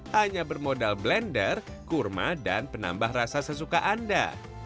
hanya bermodal blender kurma dan penambah rasa sesuka anda